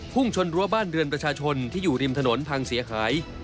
พุ่งชนรั้วบ้านเรือนประชาชนที่อยู่ริมถนนพังเสียหาย